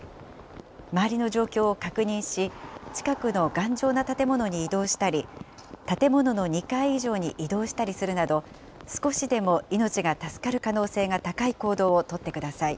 周りの状況を確認し、近くの頑丈な建物に移動したり、建物の２階以上に移動したりするなど、少しでも命が助かる可能性が高い行動を取ってください。